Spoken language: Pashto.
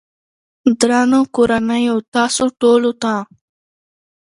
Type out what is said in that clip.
درنو کورنيو تاسو ټولو ته